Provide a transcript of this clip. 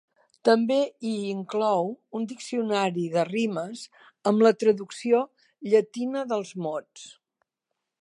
També hi inclou un diccionari de rimes amb la traducció llatina dels mots.